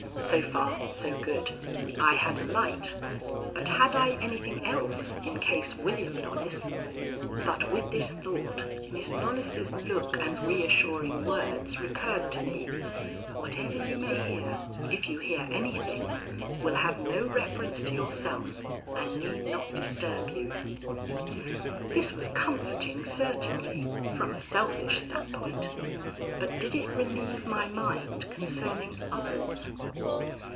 So far, so good. I had a light, but had I anything else in case William Knollys but with this thought Miss Knollys's look and reassuring words recurred to me. "Whatever you may hear if you hear anything will have no reference to yourself and need not disturb you." This was comforting certainly, from a selfish standpoint; but did it relieve my mind concerning others?